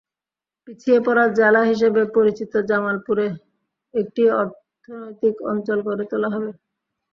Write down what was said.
পিছিয়ে পড়া জেলা হিসেবে পরিচিত জামালপুরে একটি অর্থনৈতিক অঞ্চল গড়ে তোলা হবে।